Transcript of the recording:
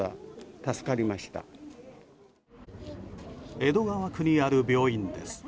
江戸川区にある病院です。